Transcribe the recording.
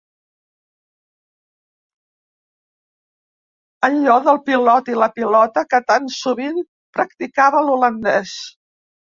Allò del pilot i la pilota que tan sovint practicava l'holandès.